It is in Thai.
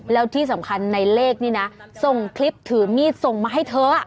แล้วที่สำคัญในเลขนี่นะส่งคลิปถือมีดส่งมาให้เธอ